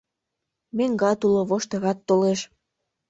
Меҥгат уло, воштырат толеш.